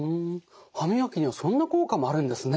歯磨きにはそんな効果もあるんですね。